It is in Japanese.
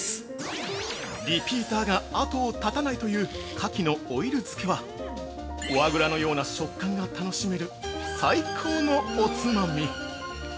◆リピーターが後を絶たないという「かきのオイル漬け」はフォアグラのような食感が楽しめる最高のおつまみ。